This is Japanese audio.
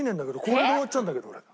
これで終わっちゃうんだけど俺。